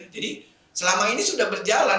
jadi selama ini sudah berjalan